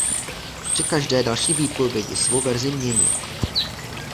Při každé další výpovědi svou verzi měnil.